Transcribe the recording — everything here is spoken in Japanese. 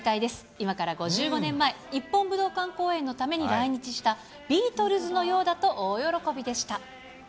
今から５５年前、日本武道館公演のために来日したビートルズのようだと大喜びでした。